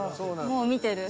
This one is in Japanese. もう見てる。